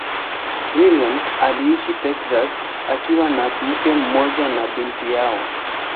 Williams anaishi Texas akiwa na mkewe pamoja na binti yao.